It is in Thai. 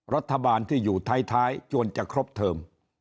รัฐบาลที่อยู่ท้ายจวนจะครบเทิม